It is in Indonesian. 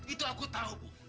itu aku tahu bu